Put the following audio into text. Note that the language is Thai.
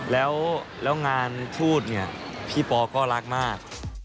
แล้วงานทูตเนี่ยพี่ปอก็รักมาก